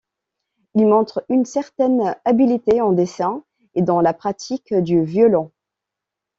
Il montre une certaine habileté en dessin et dans la pratique du violon.